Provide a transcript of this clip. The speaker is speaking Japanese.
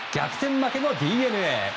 負けのＤｅＮＡ。